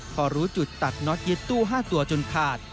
พอรู้จุดตัดน็อตยึดตู้๕ตัวจนขาด